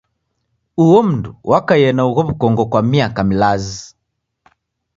Uo mndu wakaie na ugho w'ukongo kwa miaka milazi.